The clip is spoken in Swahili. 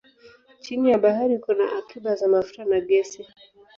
Chini ya bahari kuna akiba za mafuta na gesi.